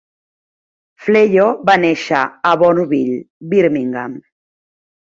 Flello va néixer a Bournville, Birmingham.